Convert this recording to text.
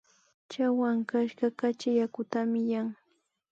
Chawa ankaska kachi yakutami yan